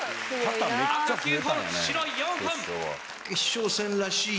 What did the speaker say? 赤９本白４本。